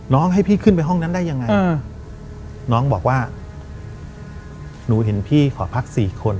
ให้พี่ขึ้นไปห้องนั้นได้ยังไงน้องบอกว่าหนูเห็นพี่ขอพักสี่คน